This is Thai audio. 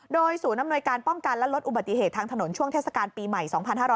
โดยศูนย์อำนวยการป้องกันและลดอุบัติเหตุทางถนนช่วงเทศกาลปีใหม่๒๕๕๙